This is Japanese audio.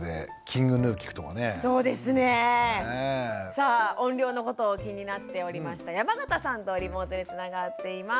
さあ音量のことを気になっておりました山形さんとリモートでつながっています。